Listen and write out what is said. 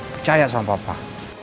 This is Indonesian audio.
percaya sama papa